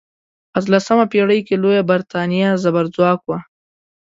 په اتلسمه پیړۍ کې لویه بریتانیا زبرځواک وه.